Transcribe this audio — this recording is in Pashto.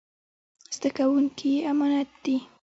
زده کوونکي يې امانت دي.